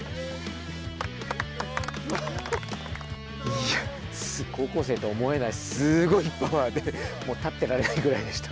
いや、高校生とは思えないすごいパワーで、もう立ってられないくらいでした。